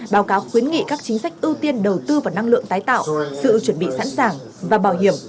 báo cáo khuyến nghị các chính sách ưu tiên đầu tư vào năng lượng tái tạo sự chuẩn bị sẵn sàng và bảo hiểm